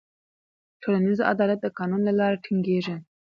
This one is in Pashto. ټولنیز عدالت د قانون له لارې ټینګېږي.